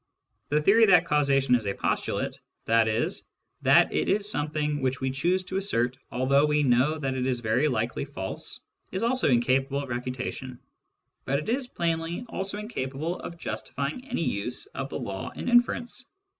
The theory that causation is a postulate, i.e. that it is something which we choose to assert although we know that it is very likely false, is also incapable of refutation ; but it is plainly also incapable of justifying any use of the law in inference.